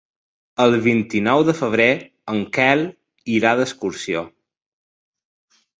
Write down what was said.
El vint-i-nou de febrer en Quel irà d'excursió.